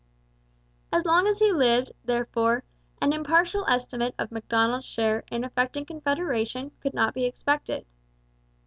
As long as he lived, therefore, an impartial estimate of Macdonald's share in effecting Confederation could not be expected.